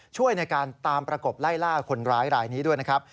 ช่วยในการตามประกบไล่ล่าคนร้ายรายนี้ด้วยนะครับ